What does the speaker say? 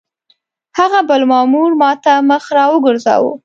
هغه بل مامور ما ته مخ را وګرځاوه.